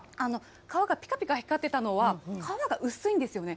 皮がぴかぴか光ってたのは、皮が薄いんですよね。